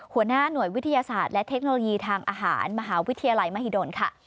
หัวหน้าหน่วยวิทยาศาสตร์และเทคโนโลยีทางอาหารมหาวิทยาลัยมหิดลค่ะ